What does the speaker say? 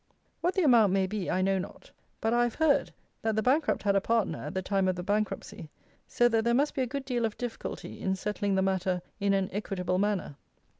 What the amount may be I know not; but I have heard, that the bankrupt had a partner at the time of the bankruptcy; so that there must be a good deal of difficulty in settling the matter in an equitable manner.